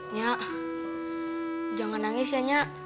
nyak jangan nangis ya nyak